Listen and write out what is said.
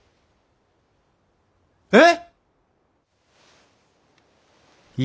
えっ！